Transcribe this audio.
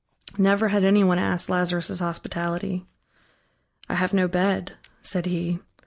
Never had anyone asked Lazarus' hospitality. "I have no bed," said he.